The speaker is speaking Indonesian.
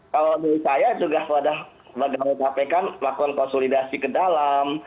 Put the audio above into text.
kalau dari saya juga wadah pegawai kpk melakukan konsolidasi ke dalam